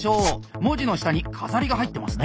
文字の下に飾りが入ってますね。